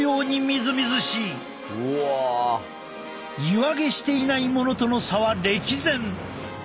ユアゲしていないものとの差は歴然。